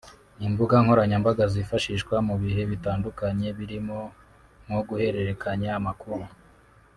Imbuga nkoranyambaga zifashishwa mu bihe bitandukanye birimo nko guhererekanya amakuru